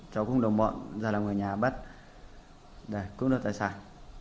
cháu cũng đồng bọn ra làm người nhà bắt đây cưỡng đoạt tài sản